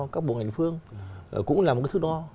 các bộ ngành địa phương cũng là một cái thức đo